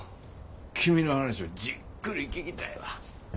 君の話をじっくり聞きたいわ。